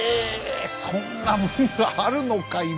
そんなもんがあるのか今。